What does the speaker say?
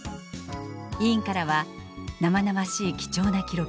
委員からは「生々しい貴重な記録